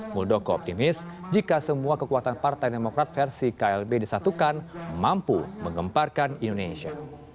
muldoko optimis jika semua kekuatan partai demokrat versi klb disatukan mampu mengemparkan indonesia